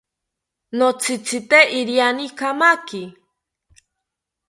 Notzitzite iriani kamaki